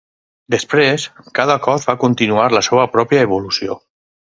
Després, cada cos va continuar la seva pròpia evolució.